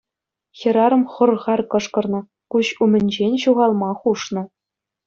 Хӗрарӑм хӑр-хар кӑшкӑрнӑ, куҫ умӗнчен ҫухалма хушнӑ.